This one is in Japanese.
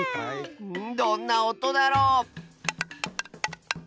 どんなおとだろ？